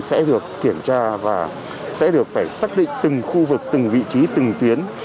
sẽ được kiểm tra và sẽ được phải xác định từng khu vực từng vị trí từng tuyến